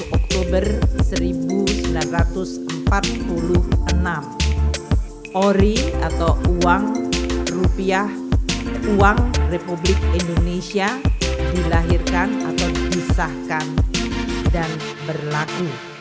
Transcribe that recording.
satu oktober seribu sembilan ratus empat puluh enam ori atau uang rupiah uang republik indonesia dilahirkan atau disahkan dan berlaku